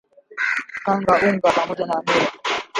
kanga unga pamoja na hamira